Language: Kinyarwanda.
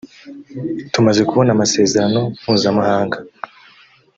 tumaze kubona amasezerano mpuzamahanga